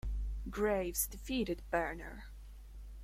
Graves defeated Burner.